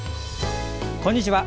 こんにちは。